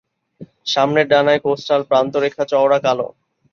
সামনের ডানায় কোস্টাল প্রান্তরেখা চওড়া কালো।